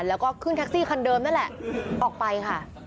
แล้วก็ขึ้นแท็กซี่คันเดิมนั่นแหละออกไปค่ะ